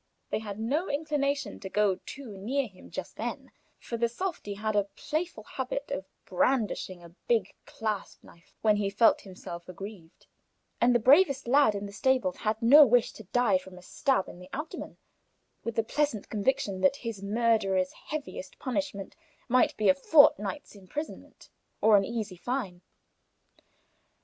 They had no inclination to go too near him just then, for the softy had a playful habit of brandishing a big clasp knife when he felt himself aggrieved, and the bravest lad in the stables had no wish to die from a stab in the abdomen, with the pleasant conviction that his murderer's heaviest punishment might be a fortnight's imprisonment or an easy fine.